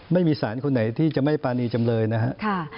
ไม่มีสารคุณไหนที่จะไม่ปรณีจำเลยนะฮะ